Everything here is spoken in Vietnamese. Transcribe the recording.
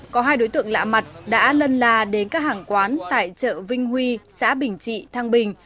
có hai đối tượng lạ mặt đã lân la đến các hàng quán tại chợ vinh huy xã bình trị thăng bình